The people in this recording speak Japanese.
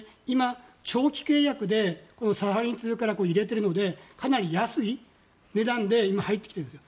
今、長期契約でサハリン２から入れているのでかなり安い値段で今入ってきている。